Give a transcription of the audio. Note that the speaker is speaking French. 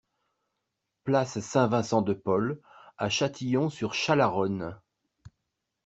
Place Saint-Vincent de Paul à Châtillon-sur-Chalaronne